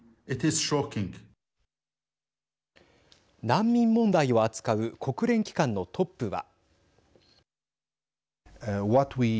難民問題を扱う国連機関のトップは。